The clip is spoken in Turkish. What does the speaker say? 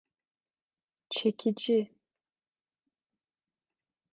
Çekici…